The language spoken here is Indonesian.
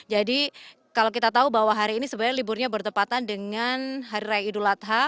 jadi kalau kita tahu bahwa hari ini sebenarnya liburnya bertepatan dengan hari raya idul adha